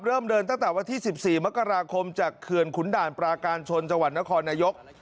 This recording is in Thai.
เริ่มเดินตั้งแต่วันที่๑๔มกราคมจากเขื่อนขุนด่านปราการชนจังหวัดนครนายก